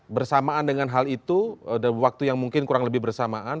bersamaan dengan hal itu dan waktu yang mungkin kurang lebih bersamaan